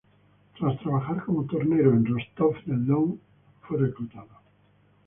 Tras trabajar como tornero en Rostov del Don fue reclutado.